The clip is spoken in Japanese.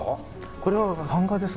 これは版画です